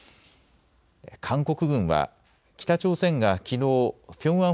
韓国軍は北朝鮮がきのうピョンアン